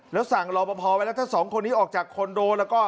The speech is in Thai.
แล้วสั่งรอปภไว้แล้วถ้าสองคนนี้ออกจากคอนโดแล้วก็